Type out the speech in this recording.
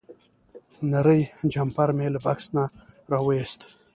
نری جمپر مې له بکس نه راوویست.